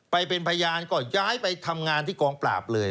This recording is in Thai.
ไปเป็นพยานก็ย้ายไปทำงานที่กองปราบเลย